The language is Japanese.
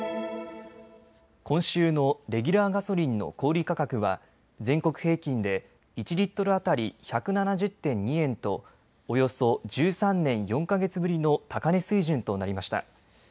今週のレギュラーガソリンの小売価格は全国平均で１リットル当たり１７０．２円とおよそ１３年４か月ぶりの高値水準となりました。